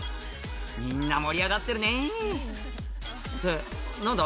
みんな盛り上がってるねぇって何だ？